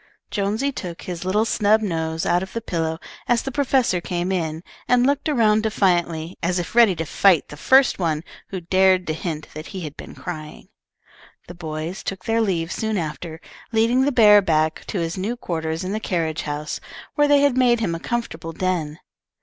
Jonesy took his little snub nose out of the pillow as the professor came in, and looked around defiantly as if ready to fight the first one who dared to hint that he had been crying. The boys took their leave soon after, leading the bear back to his new quarters in the carriage house, where they had made him a comfortable den.